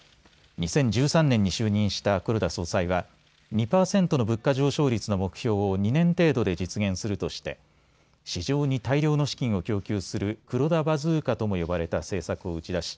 ２０１３年に就任した黒田総裁は２％の物価上昇率の目標を２年程度で実現するとして市場に大量の資金を供給する黒田バズーカとも呼ばれた政策を打ち出し